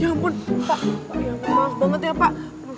ya ampun bangat banget ya pak